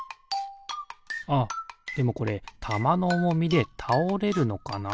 あっでもこれたまのおもみでたおれるのかな？